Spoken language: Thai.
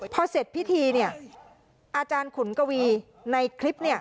พอเสร็จพิธีเนี่ยอาจารย์ขุนกวีในคลิป